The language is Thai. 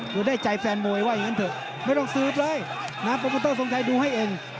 ดูแลให้ใจแฟนมวยว่าอย่างงั้นได้